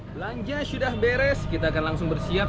belanja sudah beres kita akan langsung bersiap